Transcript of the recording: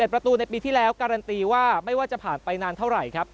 ประตูในปีที่แล้วการันตีว่าไม่ว่าจะผ่านไปนานเท่าไหร่ครับ